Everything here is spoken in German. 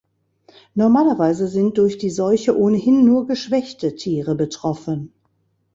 Normalerweise sind durch die Seuche ohnehin nur geschwächte Tiere betroffen.